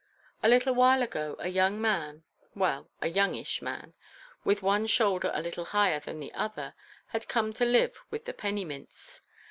A little while ago a young man—well, a youngish man—with one shoulder a little higher than the other, had come to live with the Pennymints.